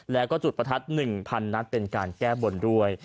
แล้วก็จุดประทัด๑๐๐นัดเป็นการแก้บนด้วย